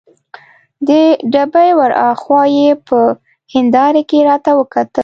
د ډبې ور هاخوا یې په هندارې کې راته وکتل.